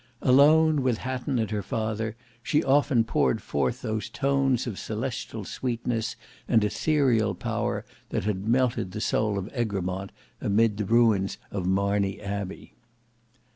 Alone, with Hatton and her father, she often poured forth those tones of celestial sweetness and etherial power that had melted the soul of Egremont amid the ruins of Marney Abbey.